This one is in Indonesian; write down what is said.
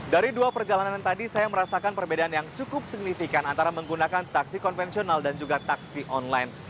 dari dua perjalanan tadi saya merasakan perbedaan yang cukup signifikan antara menggunakan taksi konvensional dan juga taksi online